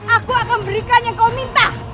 aku akan berikan yang kau minta